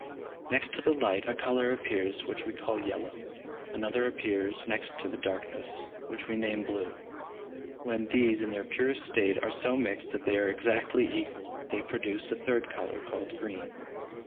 Next to the light, a colour appears which we call yellow; another appears next to the darkness, which we name blue. When these, in their purest state, are so mixed that they are exactly equal, they produce a third colour called green.